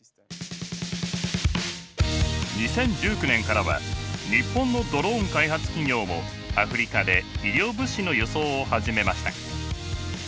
２０１９年からは日本のドローン開発企業もアフリカで医療物資の輸送を始めました。